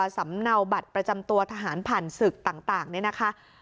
สำเนาบัตรประจำตัวทหารผ่านศึกต่างนี่นะคะ